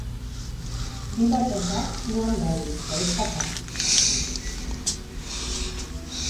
Vi batejat, no en beguis, que és pecat.